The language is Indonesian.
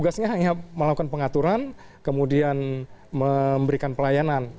tugasnya hanya melakukan pengaturan kemudian memberikan pelayanan